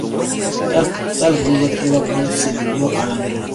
Toda la familia de Eva Braun sobrevivió a la guerra.